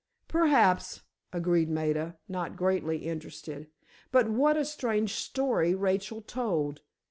"Perhaps," agreed Maida, not greatly interested. "But what a strange story Rachel told.